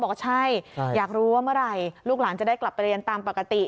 บอกว่าใช่อยากรู้ว่าเมื่อไหร่ลูกหลานจะได้กลับไปเรียนตามปกติ